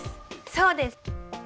そうです！